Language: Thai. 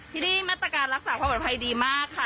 ที่นี่มาตรการรักษาความปลอดภัยดีมากค่ะ